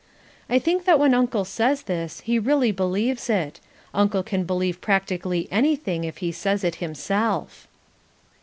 I think that when Uncle says this he really believes it; Uncle can believe practically anything if he says it himself.